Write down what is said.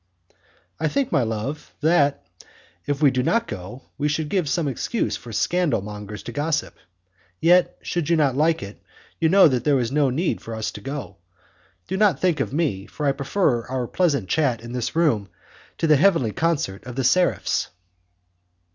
"I think, my love, that, if we did not go, we should give some excuse for scandal mongers to gossip. Yet, should you not like it, you know that there is no need for us to go. Do not think of me, for I prefer our pleasant chat in this room to the heavenly concert of the seraphs."